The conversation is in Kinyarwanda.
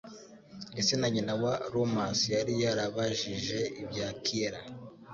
Ndetse na nyina wa Romas yari yarabajije ibya Kiera.